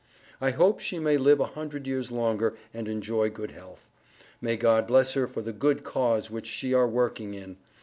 I hope she may live a hundred years longer and enjoy good health. May God bless her for the good cause which she are working in.